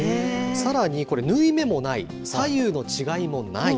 さらにこれ、縫い目もない、左右の違いもない。